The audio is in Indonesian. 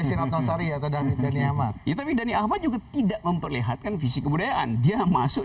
yang menyanyi dan ini ahmad ahmad dan ahmad juga tidak memperlihatkan visi kebudayaan dia masuk